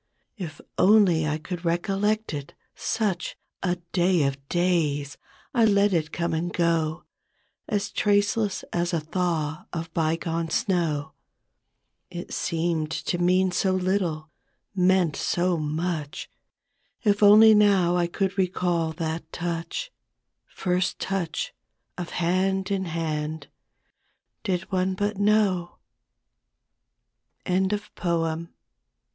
If only I could recollect it, such A day of days ! I let it come and go As traceless as a thaw of bygone snow ; It seemed to mean so little, meant so much; If only now I could recall that touch, First touch of hand in hand — Did one but know CHRISTMAS EVE.